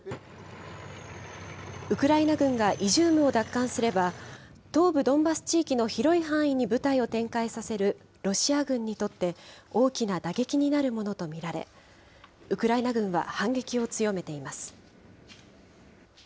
ウクライナ軍がイジュームを奪還すれば、東部ドンバス地域の広い範囲に部隊を展開させるロシア軍にとって、大きな打撃になるものと見られ、ウクライナ軍は反撃を強めています。